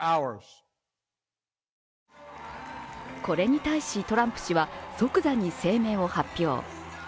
これに対し、トランプ氏は即座に声明を発表。